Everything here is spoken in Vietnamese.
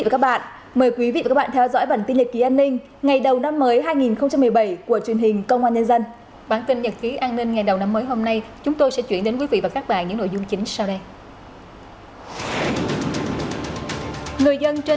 các bạn hãy đăng ký kênh để ủng hộ kênh của chúng mình nhé